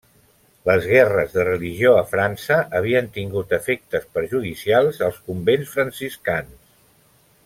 Les guerres de religió a França havien tingut efectes perjudicials als convents franciscans.